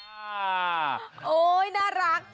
อ่าโอ๊ยน่ารัก